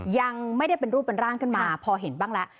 ยังไม่ได้เป็นรูปเป็นร่างขึ้นมาพอเห็นบ้างแล้ว